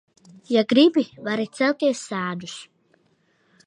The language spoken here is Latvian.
Ja gribi, vari celties sēdus.